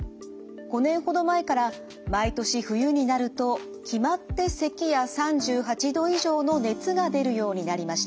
５年ほど前から毎年冬になると決まってせきや３８度以上の熱が出るようになりました。